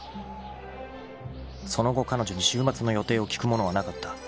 ［その後彼女に週末の予定を聞くものはなかった］